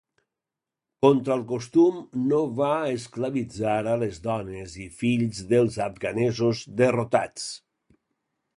Contra el costum no va esclavitzar a les dones i fills dels afganesos derrotats.